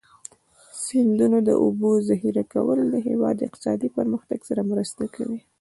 د سیندونو د اوبو ذخیره کول د هېواد اقتصادي پرمختګ سره مرسته کوي.